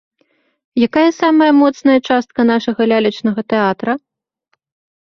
Якая самая моцная частка нашага лялечнага тэатра?